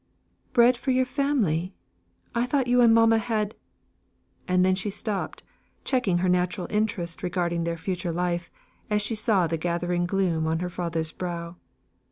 "Bread for your family! I thought you and mamma had" and then she stopped, checking her natural interest regarding their future life, as she saw the gathering gloom on her father's brow.